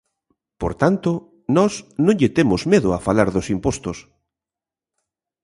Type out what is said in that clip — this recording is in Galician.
Por tanto, nós non lle temos medo a falar dos impostos.